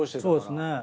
そうですね。